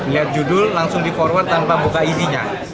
lihat judul langsung di forward tanpa buka isinya